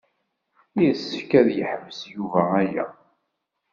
Yessefk ad yeḥbes Yuba aya.